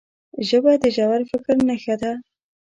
ژبه د ژور فکر نښه ده